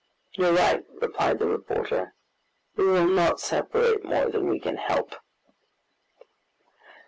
"You are right," replied the reporter, "we will not separate more than we can help."